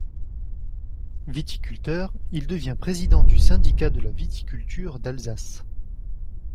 Viticulteur, il devient président du syndicat de la viticulture d'Alsace.